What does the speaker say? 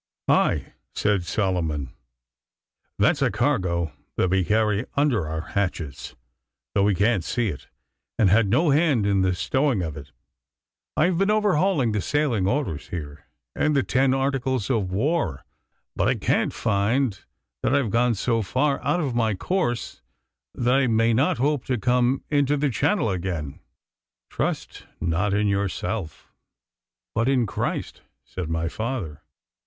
'Aye!' said Solomon, 'that's a cargo that we carry under our hatches, though we can't see it, and had no hand in the stowing of it. I've been overhauling the sailing orders here, and the ten articles of war, but I can't find that I've gone so far out of my course that I may not hope to come into the channel again.' 'Trust not in yourself, but in Christ,' said my father.